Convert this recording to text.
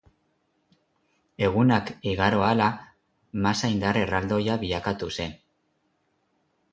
Egunak igaro ahala masa indar erraldoia bilakatu zen.